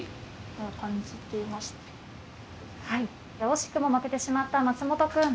惜しくも負けてしまった松本くん。